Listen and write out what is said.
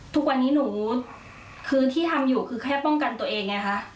ทุกวันนี้หนูคือที่ทำอยู่คือแค่ป้องกันตัวเองไงคะ